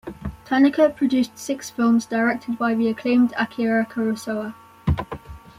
Tanaka produced six films directed by the acclaimed Akira Kurosawa.